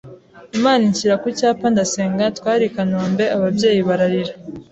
Imana inshyira ku cyapa ndasenga, twari ikanombe ababyeyi bararira